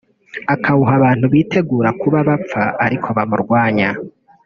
akawuha abantu biteguye kuba bapfa ariko bamurwanya